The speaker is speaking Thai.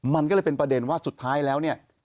มันก็เลยเป็นประเด็นว่าสุดท้ายแล้วเนี่ย